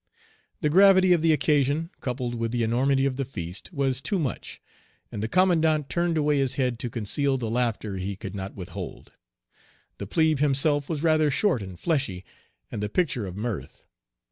The gravity of the occasion, coupled with the enormity of the feast, was too much, and the commandant turned away his head to conceal the laughter he could not withhold. The plebe himself was rather short and fleshy, and the picture of mirth.